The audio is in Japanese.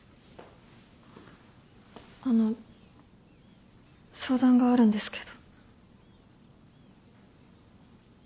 あの相談があるんですけど。